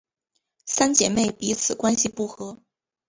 三姐妹彼此关系不和。